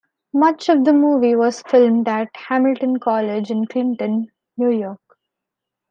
Much of the movie was filmed at Hamilton College in Clinton, New York.